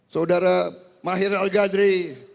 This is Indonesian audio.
saudara mahir al gadri